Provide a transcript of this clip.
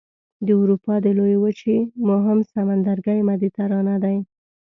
د اروپا د لویې وچې مهم سمندرګی مدیترانه دی.